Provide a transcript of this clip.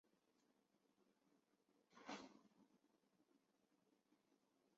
神崎郡是位于日本兵库县中部的郡。